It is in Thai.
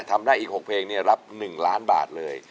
ทำได้อีก๖เพลงเนี่ยรับ๑ล้านบาทเลย